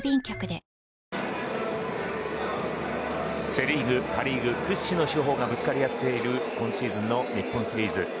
セ・リーグ、パ・リーグ屈指の主砲がぶつかり合っている今シーズンの日本シリーズ。